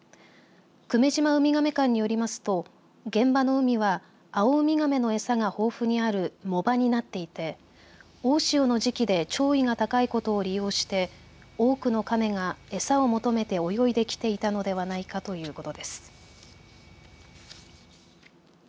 久米島ウミガメ館によりますと現場の海はアオウミガメの餌が豊富にある藻場になっていて大潮の時期で潮位が高いことを利用して多くのカメが餌を求めて泳いで来ていたのではないかということです。